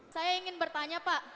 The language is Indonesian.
saya ingin bertanya pak